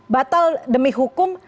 batal demi hukum